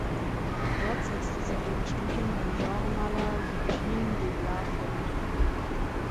Dort setzte sie ihre Studien beim Genremaler Eugene de Blaas fort.